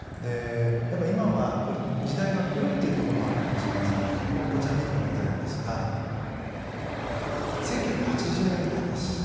今は時代が古いというところもあるかもしれませんがこちらを見てもらいたいんですが１９８０年代です。